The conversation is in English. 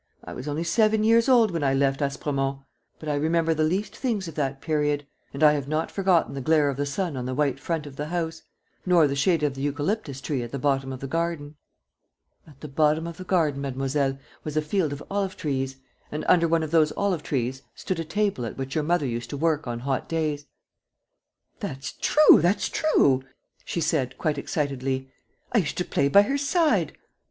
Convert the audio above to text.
... I was only seven years old when I left Aspremont; but I remember the least things of that period. And I have not forgotten the glare of the sun on the white front of the house, nor the shade of the eucalyptus tree at the bottom of the garden." "At the bottom of the garden, mademoiselle, was a field of olive trees; and under one of those olive trees stood a table at which your mother used to work on hot days. ..." "That's true, that's true," she said, quite excitedly, "I used to play by her side.